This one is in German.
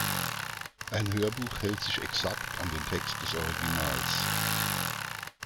Ein Hörbuch hält sich exakt an den Text des Originals.